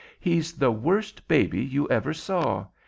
"He's the worst baby you ever saw.